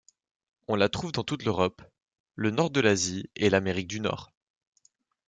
On la trouve dans toute l'Europe, le nord de l'Asie et l'Amérique du Nord.